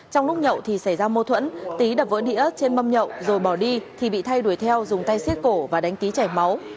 trong lúc nhậu thì xảy ra mô thuẫn tý đập vỡ nị ớt trên mâm nhậu rồi bỏ đi thì bị thay đuổi theo dùng tay xiết cổ và đánh tý chảy máu